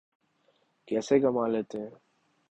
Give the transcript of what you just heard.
کیسے کما لیتے ہیں؟